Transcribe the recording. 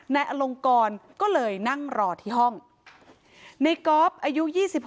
นายอลงกรก็เลยนั่งรอที่ห้องในก๊อฟอายุ๒๖